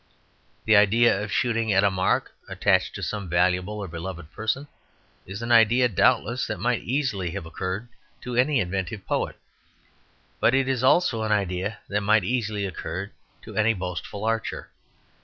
The idea of shooting at a mark attached to some valuable or beloved person is an idea doubtless that might easily have occurred to any inventive poet. But it is also an idea that might easily occur to any boastful archer.